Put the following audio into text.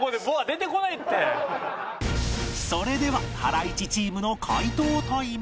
それではハライチチームの回答タイム